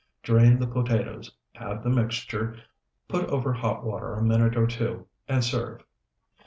Drain the potatoes, add the mixture, put over hot water a minute or two, and serve.